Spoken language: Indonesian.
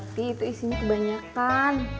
tati itu isinya kebanyakan